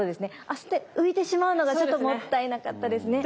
焦って浮いてしまうのがちょっともったいなかったですね。